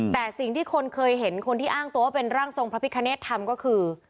แต่สิ่งที่คนเคยเห็นคนที่อ้างตัวว่าเป็นร่างทรงพระพิคเนธทำก็คือ